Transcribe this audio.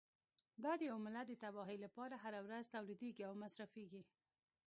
دا د یوه ملت د تباهۍ لپاره هره ورځ تولیدیږي او مصرفیږي.